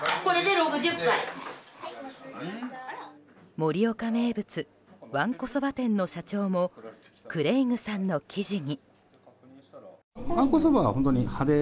盛岡名物わんこそば店の社長もクレイグさんの記事に。